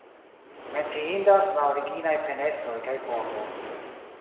Menciindas la originaj fenestroj kaj pordo.